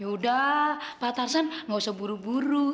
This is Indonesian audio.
yaudah mba tarsan gak usah buru buru